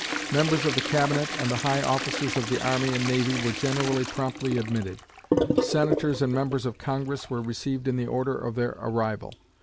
Members of the Cabinet and the high officers of the army and navy were generally promptly admitted. Senators and members of Congress were received in the order of their arrival.